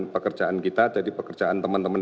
pekerjaan kita jadi pekerjaan teman teman